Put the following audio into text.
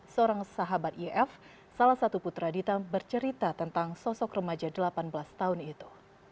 seorang sahabat ief salah satu putra dita bercerita tentang sosok remaja delapan belas tahun itu